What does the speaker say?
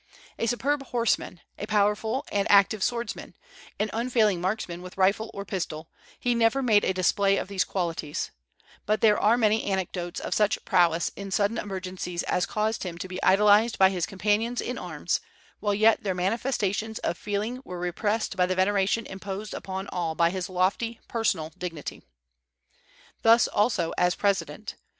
A superb horseman, a powerful and active swordsman, an unfailing marksman with rifle or pistol, he never made a display of these qualities; but there are many anecdotes of such prowess in sudden emergencies as caused him to be idolized by his companions in arms, while yet their manifestations of feeling were repressed by the veneration imposed upon all by his lofty personal dignity. Thus also as President.